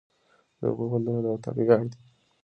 د اوبو بندونه د وطن ویاړ دی.